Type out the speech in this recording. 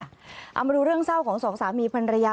เอามาดูเรื่องเศร้าของสองสามีภรรยา